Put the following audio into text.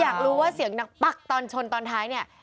อยากรู้ว่าเสียงดังปั๊กตอนชนตอนท้ายเนี่ย